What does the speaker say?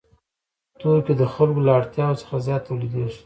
توکي د خلکو له اړتیاوو څخه زیات تولیدېږي